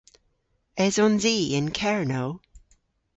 Esons i yn Kernow?